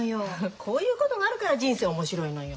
こういうことがあるから人生面白いのよ。